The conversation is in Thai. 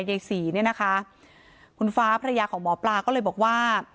ยายศรีเนี่ยนะคะคุณฟ้าภรรยาของหมอปลาก็เลยบอกว่า